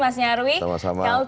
mas nyarwi sama sama